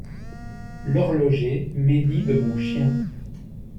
L'horloger médit de mon chien.